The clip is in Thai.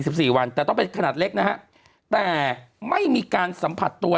สิบสี่วันแต่ต้องเป็นขนาดเล็กนะฮะแต่ไม่มีการสัมผัสตัว